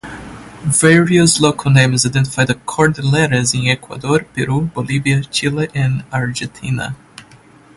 Various local names identify the cordilleras in Ecuador, Peru, Bolivia, Chile, and Argentina.